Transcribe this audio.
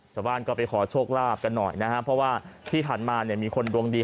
ชาวบ้านก็ไปขอโชคลาภกันหน่อยนะฮะเพราะว่าที่ผ่านมาเนี่ยมีคนดวงดี